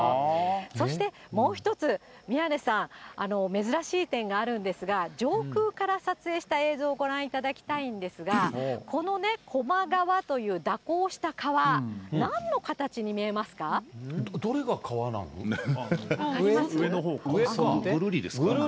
そしてもう１つ、宮根さん、珍しい点があるんですが、上空から撮影した映像をご覧いただきたいんですが、この高麗川という蛇行した川、どれが川なんですか？